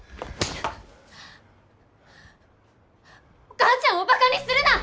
お母ちゃんをバカにするな！